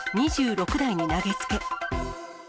２６台に投げつけ。